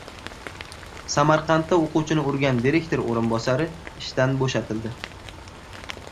Samarqandda o‘quvchini urgan direktor o‘rinbosari ishdan bo‘shatildi